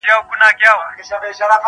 • که څوک دي نه پېژني په مسجد کي غلا وکړه -